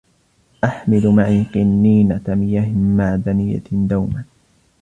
أحمل معي قنينة مياه معدنيّة دومًا.